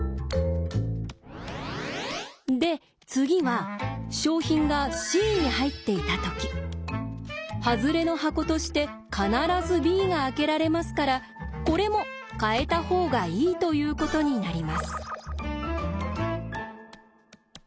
で次は賞品がＣに入っていたときハズレの箱として必ずＢが開けられますからこれも変えた方がいいということになります。